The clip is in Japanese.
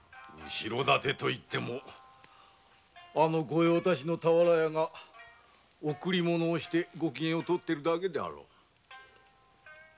後ろ盾といってもあの御用達の田原屋が贈り物をしてご機嫌をとっているだけであろう。